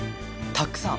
たっくさん。